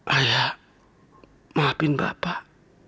ayah maafin bapak